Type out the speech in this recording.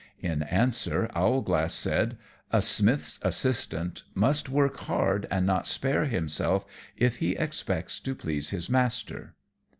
In answer, Owlglass said, "A smith's assistant must work hard and not spare himself if he expects to please his master."